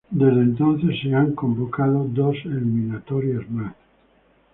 Desde entonces, se ha convocado dos eliminatorias más.